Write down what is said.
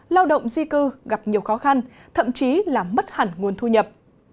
lao động di cư gặp nhiều khó khăn thậm chí là mất hẳn nguồn thu nhập